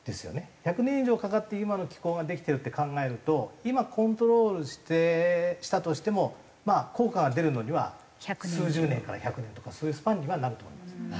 １００年以上かかって今の気候ができてるって考えると今コントロールしたとしても効果が出るのには数十年から１００年とかそういうスパンにはなると思います。